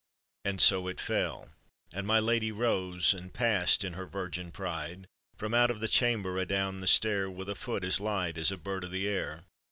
And so it fell ; and my lady rose And past in her virgin pride From out of the chamber adown the stair "With a foot as light as a bird o' the air.